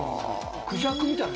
クジャクみたいな。